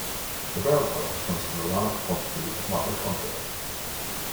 The brown color comes from the large quantity of mitochondria.